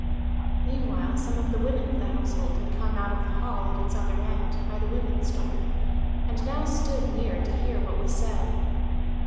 Meanwhile some of the women of the household had come out of the hall at its other end, by the women's door, and now stood near to hear what was said.